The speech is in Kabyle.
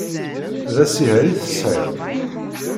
D asiher i tesɛiḍ?